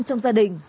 trong gia đình